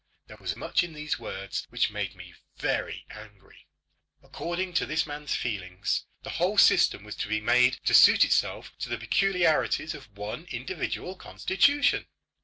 There was much in these words which made me very angry. According to this man's feelings, the whole system was to be made to suit itself to the peculiarities of one individual constitution.